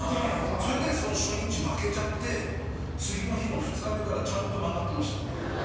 それでその初日負けちゃって次の日の２日目からちゃんと曲がってました。